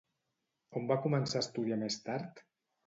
On va començar a estudiar més tard?